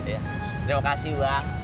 terima kasih bang